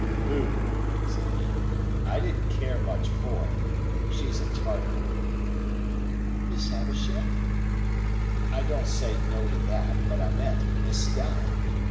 "Pooh!" said he, "I didn't care much for it. She's a Tartar." "Miss Havisham?" "I don't say no to that, but I meant Estella.